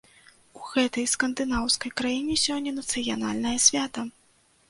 У гэтай скандынаўскай краіне сёння нацыянальнае свята.